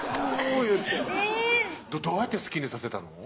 言うてえぇどうやって好きにさせたの？